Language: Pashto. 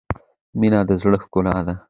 • مینه د زړۀ ښکلا ده.